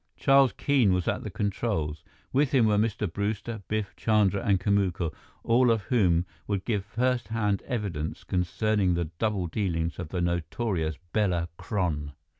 Charles Keene was at the controls. With him were Mr. Brewster, Biff, Chandra, and Kamuka, all of whom could give first hand evidence concerning the double dealings of the notorious Bela Kron.